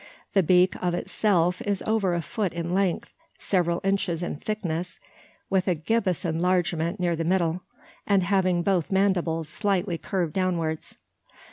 The beak, of itself, is over a foot in length, several inches in thickness, with a gibbous enlargement near the middle, and having both mandibles slightly curved downwards.